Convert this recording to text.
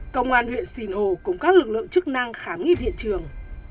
công an huyện sinh hồ cùng các lực lượng chức năng khám nghiệm hiện trường